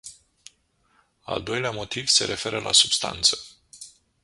Al doilea motiv se referă la substanță.